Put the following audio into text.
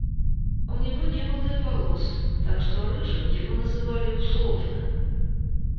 У него не было и волос, так что рыжим его называли условно.